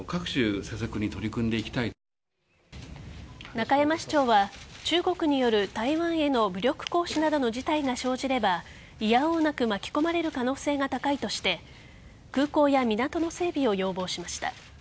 中山市長は中国による台湾への武力行使などの事態が生じればいや応なく巻き込まれる可能性が高いとして空港や港の整備を要望しました。